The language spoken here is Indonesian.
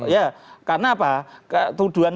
ya karena apa tuduhan